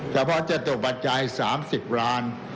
แต่พอจะตุปัจจัย๓๐ล้านบาท